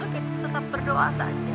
kita tetap berdoa saja